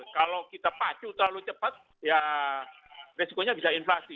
kalau kita pacu terlalu cepat ya resikonya bisa inflasi